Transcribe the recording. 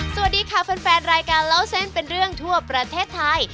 สวัสดีค่ะแฟนรายการเล่าเส้นเป็นเรื่องทั่วประเทศไทย